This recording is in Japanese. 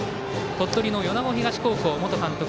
鳥取の米子東高校元監督